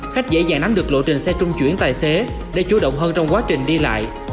khách dễ dàng nắm được lộ trình xe trung chuyển tài xế để chú động hơn trong quá trình đi lại